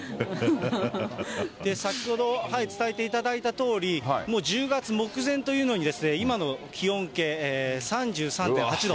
先ほど伝えていただいたとおり、もう１０月目前というのに、今の気温計、３３．８度。